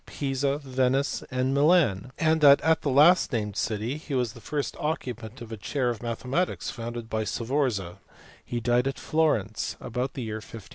213 Pisa, Venice, and Milan; and that at the last named city he was the first occupant of a chair of mathematics founded by Sforza : he died at Florence about the year 1510.